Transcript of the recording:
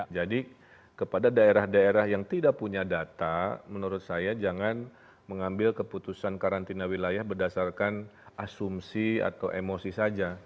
jadi kepada daerah daerah yang tidak punya data menurut saya jangan mengambil keputusan karantina wilayah berdasarkan asumsi atau emosi saja